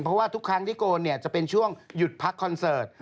เพราะว่าทุกครั้งที่โกนเนี่ยจะเป็นช่วงหยุดพักคอนเสิร์ต